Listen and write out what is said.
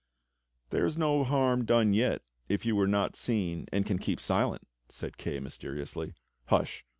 *" "There is no harm done yet if you were not seen and can keep silent," said Kay mysteriously. "Hush!